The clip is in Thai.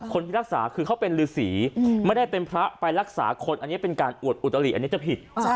คนที่รักษาคือเขาเป็นฤษีไม่ได้เป็นพระไปรักษาคนอันนี้เป็นการอวดอุตลิอันนี้จะผิด